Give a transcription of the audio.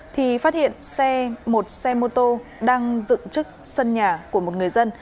thì phát hiện một xe mô tô đang dựng chức sân nhà của một người dân